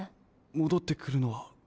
もどってくるのは？